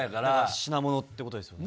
品物ってことですよね。